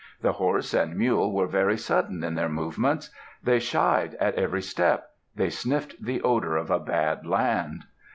The horse and mule were very sudden in their movements. They shied at every step. They sniffed the odor of a bad land.